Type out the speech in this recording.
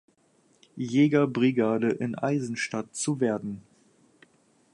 Jägerbrigade in Eisenstadt zu werden.